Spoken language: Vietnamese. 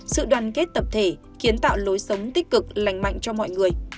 sự đoàn kết tập thể kiến tạo lối sống tích cực lành mạnh cho mọi người